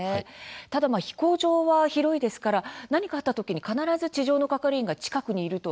ただまあ飛行場は広いですから何かあった時に必ず地上の係員が近くにいるとは限りませんよね。